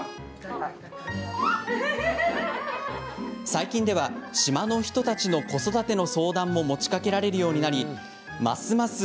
最近では、島の人たちの子育ての相談も持ちかけられるようになりますます